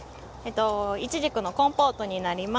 イチジクのコンポートになります。